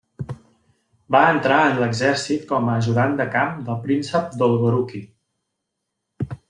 Va entrar en l'exèrcit com a ajudant de camp del príncep Dolgoruki.